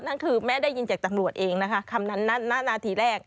นั่นคือแม่ได้ยินจากตำรวจเองคำนั้นน่ะหน้าที่แรก